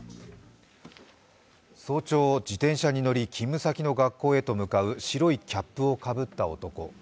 早朝、自転車に乗り勤務先の学校へと向かう白いキャップをかぶった男。